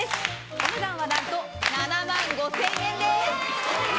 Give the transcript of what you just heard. お値段は何と７万５０００円です。